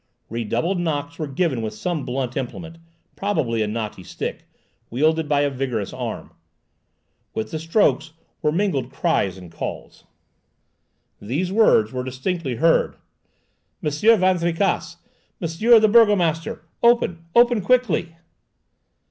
Redoubled knocks were given with some blunt implement, probably a knotty stick, wielded by a vigorous arm. With the strokes were mingled cries and calls. These words were distinctly heard:— "Monsieur Van Tricasse! Monsieur the burgomaster! Open, open quickly!"